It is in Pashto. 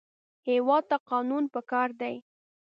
هېواد ته قانون پکار دی